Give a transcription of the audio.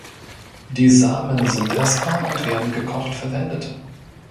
Die Samen sind essbar und werden gekocht verwendet.